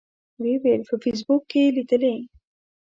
و یې ویل په فیسبوک کې یې لیدلي.